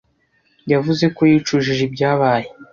Yavuze ko yicujije ibyabaye.